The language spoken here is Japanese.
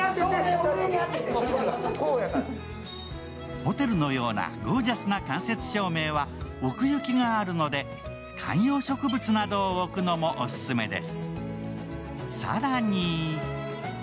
ホテルのようなゴージャスな間接照明は奥行きがあるので観葉植物などを置くのもオススメです。